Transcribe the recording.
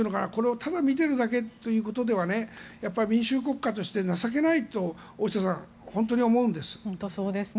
ただ見ているだけというのでは民主主義国家として情けないと本当に思うんです。